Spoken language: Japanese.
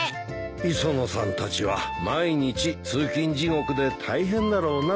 磯野さんたちは毎日通勤地獄で大変だろうな。